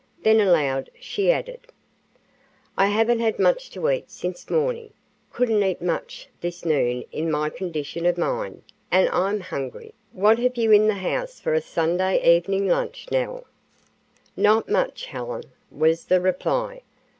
Then aloud she added: "I haven't had much to eat since morning, couldn't eat much this noon in my condition of mind, and I'm hungry; what have you in the house for a Sunday evening lunch, Nell?" "Not much, Helen," was the reply.